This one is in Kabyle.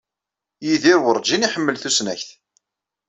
Yidir werǧin iḥemmel tusnakt.